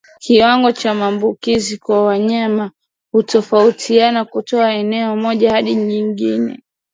Kiwango cha maambukizi kwa wanyama hutofautiana kutoka eneo moja hadi jingine